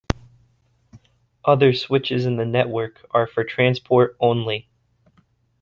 Other switches in the network are for transport only.